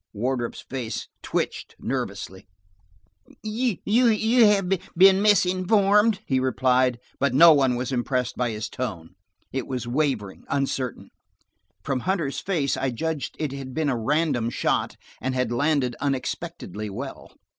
Wardrop's face twitched nervously. "You have been misinformed," he replied, but no one was impressed by his tone. It was wavering, uncertain. From Hunter's face I judged it had been a random shot, and had landed unexpectedly well.